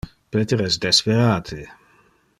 Peter es desperate.